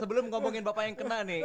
sebelum ngomongin bapak yang kena nih